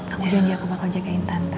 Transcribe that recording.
aku janji aku bakal jagain tante